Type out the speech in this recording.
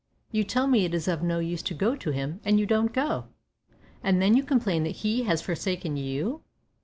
You tell me it is of no use to go to Him, and you don't go, and then you complain that He has forsaken you!